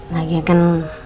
lagi ya kan